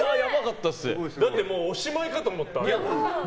だってもうおしまいかと思った。